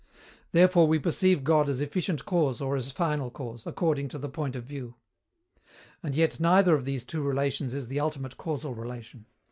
Therefore, we perceive God as efficient cause or as final cause, according to the point of view. And yet neither of these two relations is the ultimate causal relation.